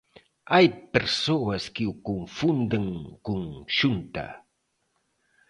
Hai persoas que o confunden con Xunta.